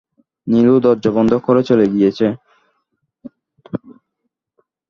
নীলু দরজা বন্ধ করে চলে গিয়েছে।